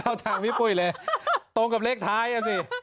ทางพี่ปุ้ยเลยตรงกับเลขท้ายอ่ะสิ